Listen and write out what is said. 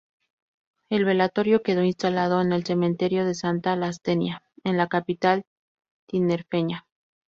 El velatorio quedó instalado en el cementerio de Santa Lastenia, en la capital tinerfeña.